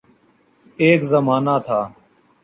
ایک زمانہ تھا۔